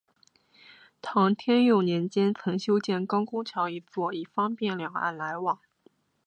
唐天佑年间曾修建高公桥一座以方便两岸来往。